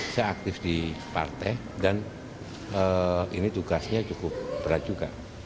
saya aktif di partai dan ini tugasnya cukup berat juga